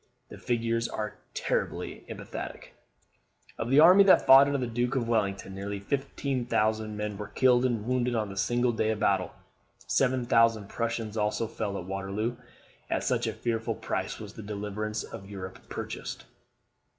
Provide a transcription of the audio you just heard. The figures are terribly emphatic. Of the army that fought under the Duke of Wellington nearly 15,000 men were killed and wounded on this single day of battle. Seven thousand Prussians also fell at Waterloo. At such a fearful price was the deliverance of Europe purchased.